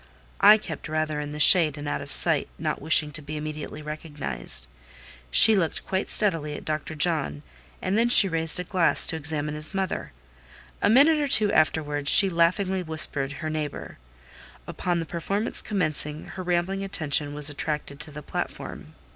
I kept rather in the shade and out of sight, not wishing to be immediately recognised: she looked quite steadily at Dr. John, and then she raised a glass to examine his mother; a minute or two afterwards she laughingly whispered her neighbour; upon the performance commencing, her rambling attention was attracted to the platform.